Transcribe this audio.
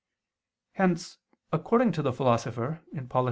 Hence, according to the Philosopher (Polit.